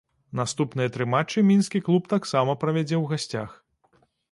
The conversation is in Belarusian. Наступныя тры матчы мінскі клуб таксама правядзе ў гасцях.